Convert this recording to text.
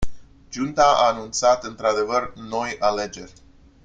Junta a anunțat într-adevăr noi alegeri.